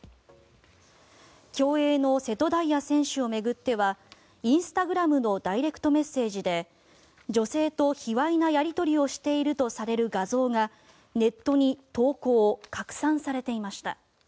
競泳の瀬戸大也選手を巡ってはインスタグラムのダイレクトメッセージで女性とひわいなやり取りをしているとされる画像がネットに投稿・拡散されていました。